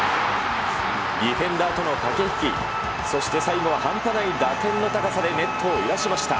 ディフェンダーとの駆け引き、そして最後は半端ない打点の高さでネットを揺らしました。